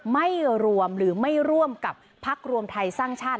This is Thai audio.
ไม่รวมหรือไม่ร่วมกับพักรวมไทยสร้างชาติ